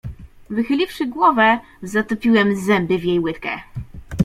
"Wychyliwszy głowę zatopiłem zęby w jej łydkę."